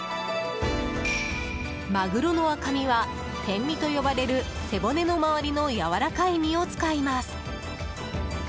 マグロの赤身は天身と呼ばれる背骨の周りのやわらかい身を使います。